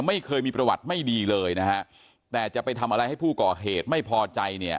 ไม่เคยมีประวัติไม่ดีเลยนะฮะแต่จะไปทำอะไรให้ผู้ก่อเหตุไม่พอใจเนี่ย